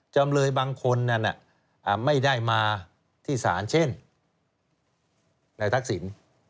จำเลยบางคนนั้นไม่ได้มาที่ศาลเช่นนายทักษิณ